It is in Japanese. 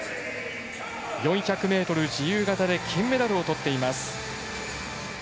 ４００ｍ自由形で金メダルをとっています。